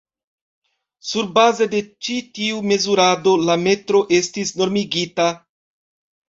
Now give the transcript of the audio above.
Surbaze de ĉi tiu mezurado la metro estis normigita.